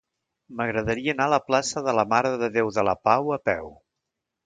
M'agradaria anar a la plaça de la Mare de Déu de la Pau a peu.